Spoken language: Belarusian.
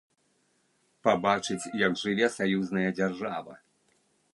Пабачыць, як жыве саюзная дзяржава.